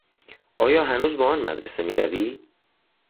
آیا هنوز به آن مدرسه میروی؟